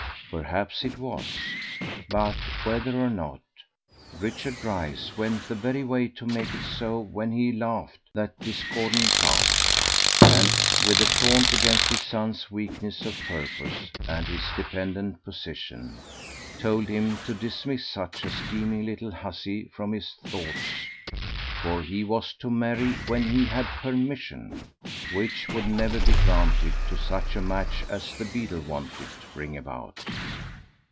Perhaps it was; but, whether or not, Richard Dryce went the very way to make it so when he laughed that discordant laugh, and, with a taunt against his son's weakness of purpose and his dependent position, told him to dismiss such a scheming little hussey from his thoughts, for he was to marry when he had permission, which would never be granted to such a match as the beadle wanted to bring about.